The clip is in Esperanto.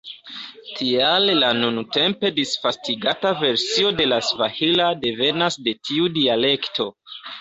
Tial la nuntempe disvastigata versio de la svahila devenas de tiu dialekto.